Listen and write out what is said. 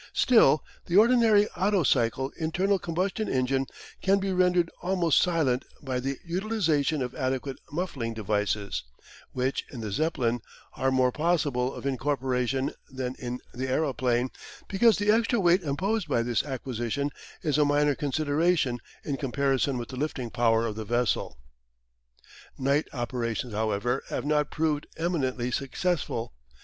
Still, the ordinary Otto cycle internal combustion engine can be rendered almost silent by the utilisation of adequate muffling devices, which, in the Zeppelin, are more possible of incorporation than in the aeroplane, because the extra weight imposed by this acquisition is a minor consideration in comparison with the lifting power of the vessel. Night operations, however, have not proved eminently successful.